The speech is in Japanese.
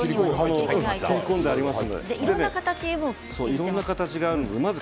いろんな形があります。